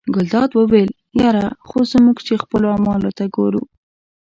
ګلداد وویل یره خو موږ چې خپلو اعمالو ته ګورو.